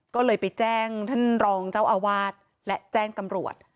ก็เลยไปแจ้งท่านรองเจ้าอาวาสและแจ้งตำรวจ